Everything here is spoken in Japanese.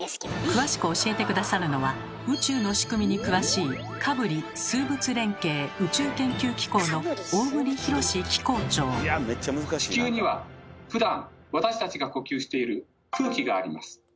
詳しく教えて下さるのは宇宙の仕組みに詳しい地球にはふだん私たちが呼吸している空気があります。